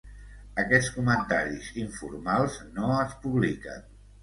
Aquests comentaris informals no es publiquen.